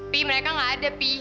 pi mereka gak ada pi